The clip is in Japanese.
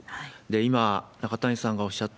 今、中谷さんがおっしゃった、